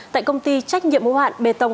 tại công ty trách nhiệm mũ hạn bê tông